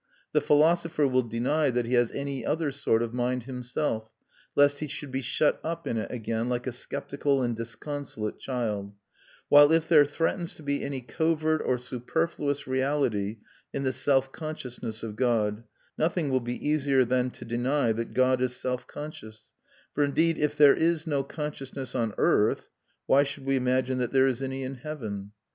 The philosopher will deny that he has any other sort of mind himself, lest he should be shut up in it again, like a sceptical and disconsolate child; while if there threatens to be any covert or superfluous reality in the self consciousness of God, nothing will be easier than to deny that God is self conscious; for indeed, if there is no consciousness on earth, why should we imagine that there is any in heaven?